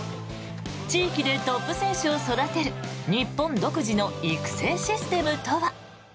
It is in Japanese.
地域でトップ選手を育てる日本独自の育成システムとは。